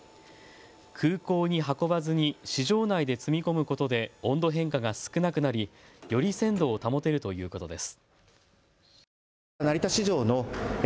空港に運ばずに市場内で積み込むことで温度変化が少なくなりより鮮度を保てるということです。